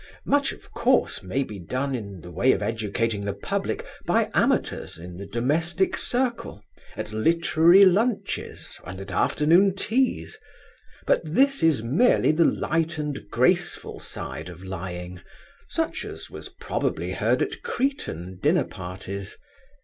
Much of course may be done, in the way of educating the public, by amateurs in the domestic circle, at literary lunches, and at afternoon teas. But this is merely the light and graceful side of lying, such as was probably heard at Cretan dinner parties.